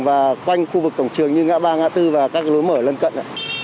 và quanh khu vực cổng trường như ngã ba ngã tư và các lối mở lân cận